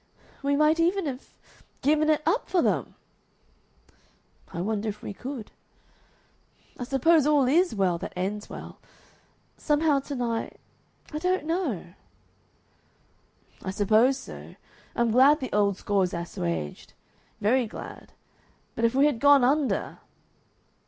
"We might even have given it up for them!" "I wonder if we could." "I suppose all IS well that ends well. Somehow to night I don't know." "I suppose so. I'm glad the old sore is assuaged. Very glad. But if we had gone under